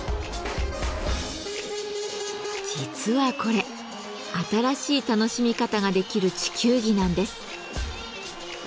実はこれ新しい楽しみ方ができる地球儀なんです。